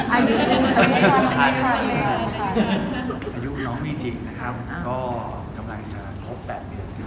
อายุน้องมีจริงนะครับก็กำลังจะครบ๘เดือน